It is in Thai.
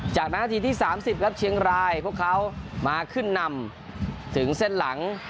จากนั้นนาทีที่๓๐ครับเชียงรายพวกเขามาขึ้นนำถึงเส้นหลัง